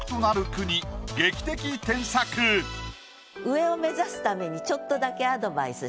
上を目指すためにちょっとだけアドバイスしますね。